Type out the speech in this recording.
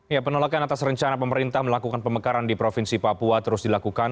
ya penolakan atas rencana pemerintah melakukan pemekaran di provinsi papua terus dilakukan